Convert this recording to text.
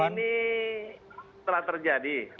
hari ini telah terjadi